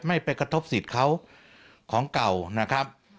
ไม่ไปกระทบสิทธิ์เขาของเก่านะครับ